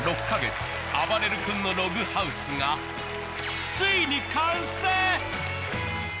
６カ月あばれる君のログハウスがついに完成！